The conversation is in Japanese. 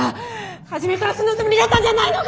初めからそのつもりだったんじゃないのか！